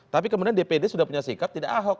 tapi kemudian dpd sudah punya sikap tidak ahok